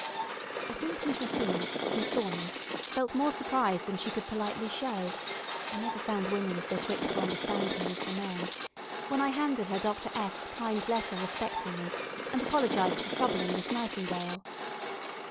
I think Mrs. B , who saw me, felt more surprise than she could politely show (I never found women so quick to understand me as the men) when I handed her Dr. F 's kind letter respecting me, and apologized for troubling Miss Nightingale.